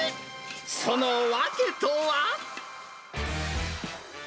その訳とは。